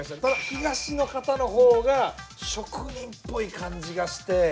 ただ東の方の方が職人っぽい感じがして。